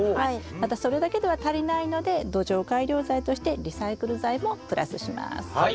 またそれだけでは足りないので土壌改良材としてリサイクル材もプラスします。